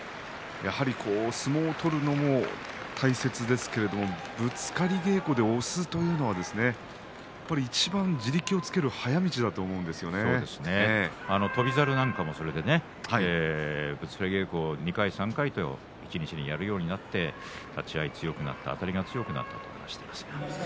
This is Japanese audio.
相撲を取るのも大切ですけどぶつかり稽古で押すというのはいちばん地力をつける翔猿なんかもぶつかり稽古を２回３回と厳しくやるようになって立ち合い強くなったあたりが強くなったと話していました。